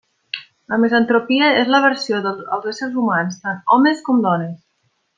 La misantropia és l'aversió als éssers humans, tant homes com dones.